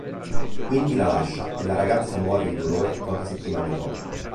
Quindi la lascia e la ragazza muore di dolore poche settimane dopo.